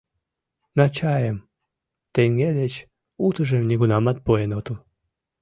«На чайым» теҥге деч утыжым нигунамат пуэн отыл...